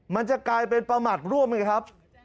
มันจะกลายเป็นประมาทร่วมไงครับ